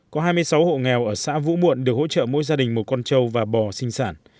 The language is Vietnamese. có hai mươi sáu hộ nghèo ở xã vũ muộn được hỗ trợ mỗi gia đình một con trâu và bò sinh sản